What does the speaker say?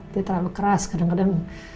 dia terlalu keras kadang kadang